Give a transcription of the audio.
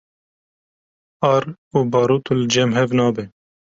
Ar û barût li cem hev nabe